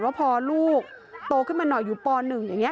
ว่าพอลูกโตขึ้นมาหน่อยอยู่ป๑อย่างนี้